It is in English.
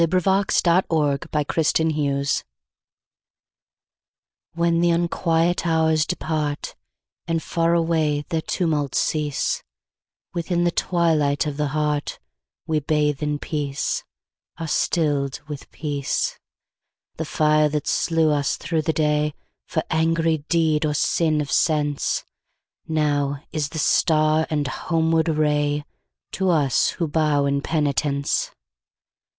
1918. 134. The Hour of Twilight WHEN the unquiet hours departAnd far away their tumults cease, Within the twilight of the heartWe bathe in peace, are stilled with peace. The fire that slew us through the dayFor angry deed or sin of senseNow is the star and homeward rayTo us who bow in penitence.